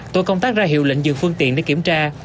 tổ công tác ra hiệu lệnh dừng phương tiện để kiểm tra